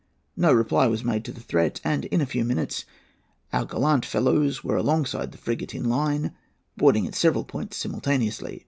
No reply was made to the threat, and in a few minutes our gallant fellows were alongside the frigate in line, boarding at several points simultaneously.